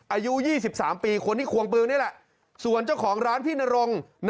อายุ๒๓ปีคนที่ควงปืนนี่แหละส่วนเจ้าของร้านพี่นรง